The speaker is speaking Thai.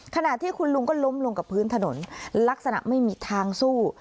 ขณะที่คุณลุงก็ล้มลงกับพื้นถนนลักษณะไม่มีทางสู้